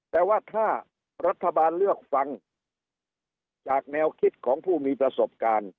แต่ว่าถ้ารัฐบาลเลือกฟังจากแนวคิดของผู้มีประสบการณ์